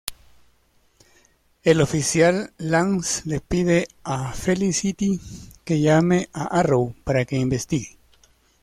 El oficial Lance le pide a Felicity que llame a "Arrow"para que investigue.